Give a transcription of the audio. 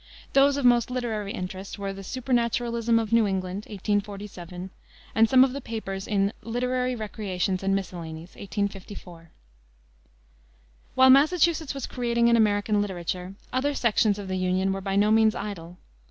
Those of most literary interest were the Supernaturalism of New England, 1847, and some of the papers in Literary Recreations and Miscellanies, 1854. While Massachusetts was creating an American literature, other sections of the Union were by no means idle.